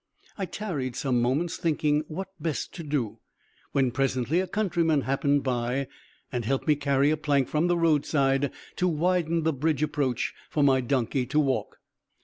I tarried some moments thinking what best to do, when presently a countryman happened by, and helped me carry a plank from the roadside to widen the bridge approach for my donkey to walk.